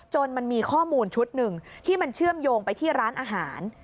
มันมีข้อมูลชุดหนึ่งที่มันเชื่อมโยงไปที่ร้านอาหาร